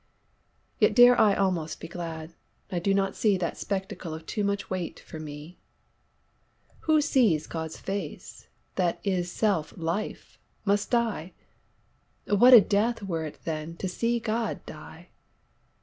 Yet dare I'almost be glad, I do not seeThat spectacle of too much weight for mee. Who sees Gods face, that is selfe life, must dye; What a death were it then to see God dye?